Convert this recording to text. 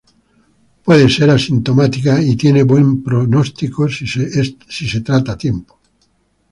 Puede ser asintomática y tiene buen pronóstico si es tratada a tiempo.